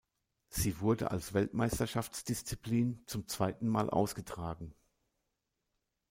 Sie wurde als Weltmeisterschafts-Disziplin zum zweiten Mal ausgetragen.